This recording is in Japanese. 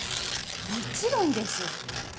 もちろんです。